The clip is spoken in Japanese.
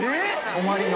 泊まりの。